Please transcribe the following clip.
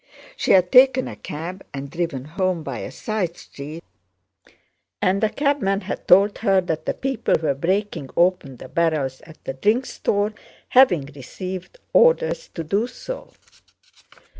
She had taken a cab and driven home by a side street and the cabman had told her that the people were breaking open the barrels at the drink store, having received orders to do so.